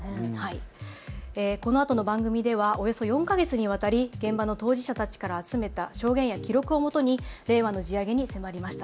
このあとの番組ではおよそ４か月にわたり現場の当事者たちから集めた証言や記録をもとに令和の地上げに迫りました。